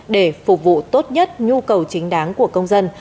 để phục vụ tốt nhất nhu cầu chính đáng của công dân